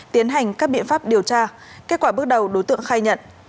tiến hành các biện pháp điều tra kết quả bước đầu đối tượng khai nhận